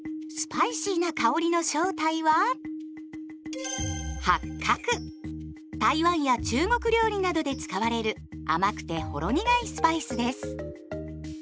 スパイシーな香りの正体は台湾や中国料理などで使われる甘くてほろ苦いスパイスです。